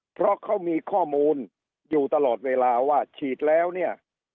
เพราะเขามีข้อมูลอยู่ตลอดเวลาว่าฉีดแล้วเนี่ย